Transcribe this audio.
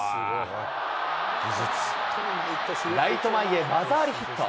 ライト前へ技ありヒット。